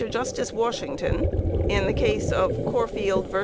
Justice Washington, in the case of _Corfield vs.